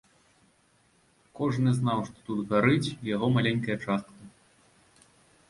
Кожны знаў, што тут гарыць і яго маленькая частка.